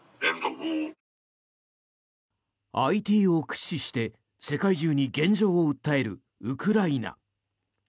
ＩＴを駆使して世界中に現状を訴えるウクライナ。